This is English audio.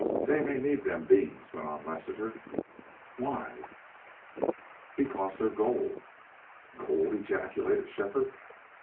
"Fay may need them beans," went on Lassiter. "Why?" "Because they're gold." "Gold!" ejaculated Shefford.